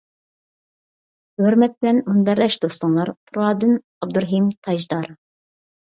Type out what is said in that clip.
ھۆرمەت بىلەن مۇنبەرداش دوستۇڭلار : تۇرادىن ئابدۇرېھىم تاجدار.